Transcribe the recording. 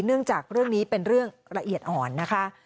เนื่องจากเรื่องนี้เป็นเรื่องละเอียดอ่อนนะคะ